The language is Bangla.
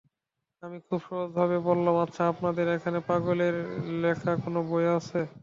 আমি খুব সহজভাবে বললাম, আচ্ছা, আপনাদের এখানে পাগলের লেখা কোনো বই আছে?